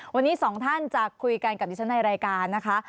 วันนี้สองท่านจะคุยกันกับดิฉันในรายการนะคะ